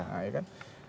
nah ya kan